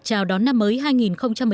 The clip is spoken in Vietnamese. trào đón năm mới hai nghìn một mươi tám